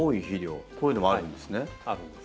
こういうのもあるんですね。